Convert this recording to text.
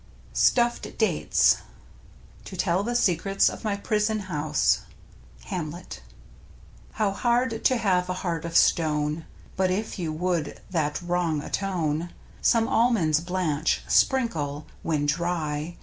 STUFFED DATES To tell the secrets of my prison house. — Hamlet, How hard to have a heart of stone! But if you would that wrong atone, Some almonds blanch, sprinkle, when dry.